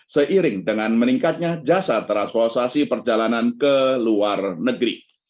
seiring dengan meningkatnya jasa transportasi perjalanan ke luar negeri